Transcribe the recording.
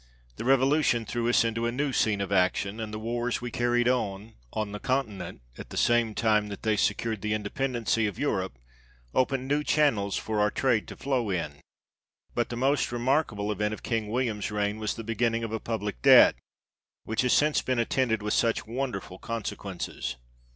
The Revolution threw us into a new scene of action, and the wars we carried on on the continent, at the same time that they secured the independency of Europe, opened new channels for our trade to flow in : but the most remarkable event of King William's reign was the beginning of a public debt, which has since been attended with such wonderful consequences.